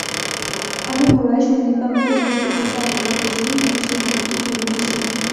আমি গোড়ায় সন্দীপবাবুকে ভক্তি করতে আরম্ভ করেছিলুম, কিন্তু সে ভক্তি গেল ভেসে।